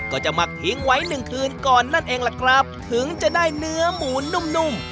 หมักทิ้งไว้หนึ่งคืนก่อนนั่นเองล่ะครับถึงจะได้เนื้อหมูนุ่มนุ่ม